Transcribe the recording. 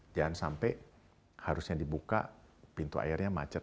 jangan sampai harusnya dibuka pintu airnya macet